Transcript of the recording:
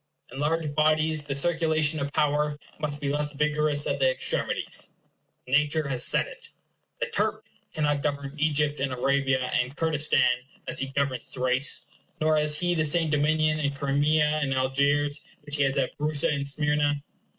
In large bodies the circulation of power must be less vigorous at the extremities. Nature has said it. The Turk cannot govern Egypt and Arabia and Kurdistan as he governs Thrace; nor has he the same dominion in Crimea and Algiers which he has at Brusa and Smyrna.